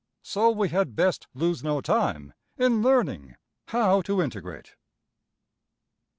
So we had best lose no time in learning \emph{how to integrate}.